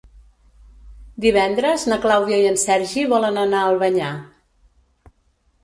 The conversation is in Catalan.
Divendres na Clàudia i en Sergi volen anar a Albanyà.